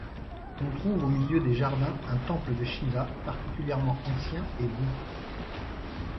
On trouve au milieu des jardins un temple de Shiva particulièrement ancien et beau.